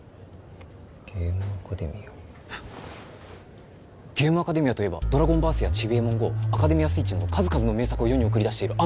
ゲームアカデミアゲームアカデミアといえばドラゴンバースやチビエモンＧＯアカデミアスイッチなど数々の名作を世に送り出している